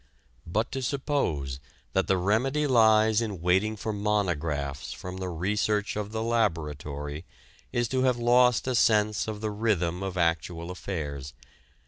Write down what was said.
But to suppose that the remedy lies in waiting for monographs from the research of the laboratory is to have lost a sense of the rhythm of actual affairs.